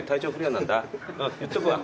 言っとくわ。